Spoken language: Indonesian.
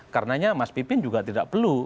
karenanya mas pipin juga tidak perlu